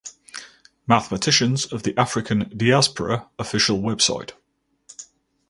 Mathematicians of the African Diaspora Official Website